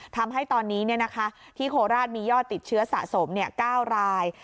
ทำให้ตอนนี้เนี่ยนะคะที่โควิด๑๙มียอดติดเชื้อสะสมเนี่ย๙ราย